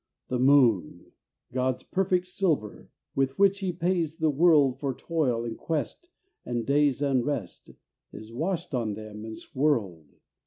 The moon, God's perfect silver, With which He pays the world For toil and quest and day's unrest, Is washed on them and swirled.